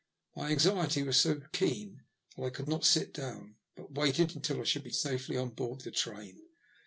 My anxiety was so keen that I could not sit down, but waited until I should be safely on board the train.